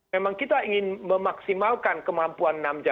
memang kita ingin memaksimalkan kemampuan nasional